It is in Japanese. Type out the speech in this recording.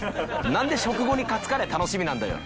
何で食後にカツカレー楽しみなんだよ。